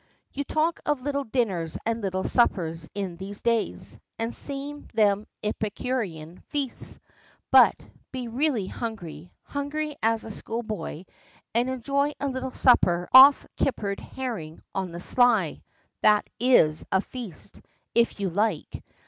You talk of little dinners and little suppers in these days, and think them epicurean feasts! but, be really hungry hungry as a school boy, and enjoy a little supper off kippered herring on the sly that is a feast, if you like.